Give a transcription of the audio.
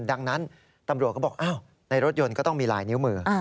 ดังนั้นตำรวจก็บอกอ้าวในรถยนต์ก็ต้องมีลายนิ้วมือ